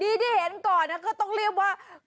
ดีที่เห็นก่อนนะก็ต้องเรียบว่า